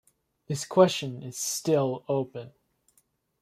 This question is still open.